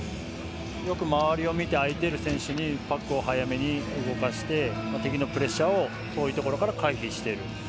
よく周りを見て空いている選手にパックを早めに動かして敵のプレッシャーを遠いところから回避している。